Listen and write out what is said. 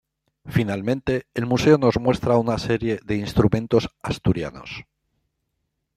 Finalmente el museo nos muestra una serie de instrumentos asturianos.